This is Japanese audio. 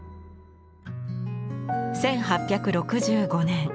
１８６５年。